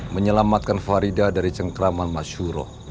menyelamatkan faridah dari cengkraman masyuro